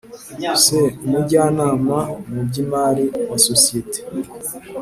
c umujyanama mu by imari wa sosiyete